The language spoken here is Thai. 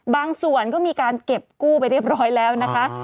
บางส่วนก็มีการเก็บกู้ไปเรียบร้อยแล้วนะคะ